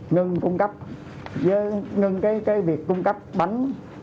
ngưng cung cấp ngưng cái việc cung cấp bánh